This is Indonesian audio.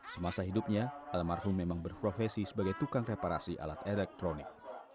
semasa hidupnya almarhum memang berprofesi sebagai tukang reparasi alat elektronik